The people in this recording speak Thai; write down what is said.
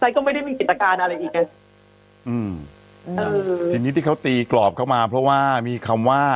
ก็ไม่ได้มีกิจการอะไรอีกไงอืมเออทีนี้ที่เขาตีกรอบเข้ามาเพราะว่ามีคำว่า